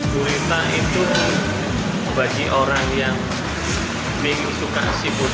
gurita itu bagi orang yang suka sibuk